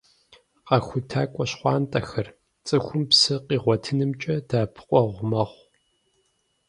«КъэхутакӀуэ щхъуантӀэхэр» цӀыхум псы къигъуэтынымкӀэ дэӀэпыкъуэгъу мэхъу.